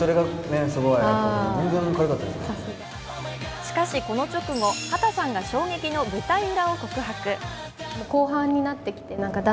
しかしこの直後、畑さんが衝撃の舞台裏を告白。